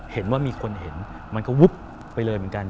เห็นว่ามีคนเห็นมันก็วุบไปเลยเหมือนกัน